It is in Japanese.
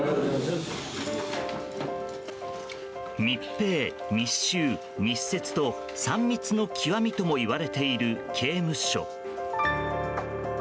密閉、密集、密接と３密の極みともいわれている刑務所。